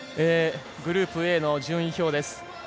グループＡの順位表です。